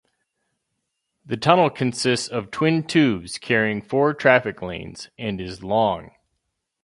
The tunnel consists of twin tubes carrying four traffic lanes, and is long.